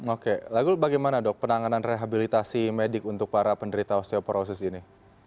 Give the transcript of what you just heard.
oke lagu bagaimana dok penanganan rehabilitasi medik untuk para penderita osteoporosis ini